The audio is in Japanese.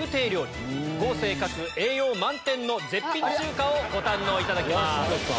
豪勢かつ栄養満点の絶品中華をご堪能いただきます。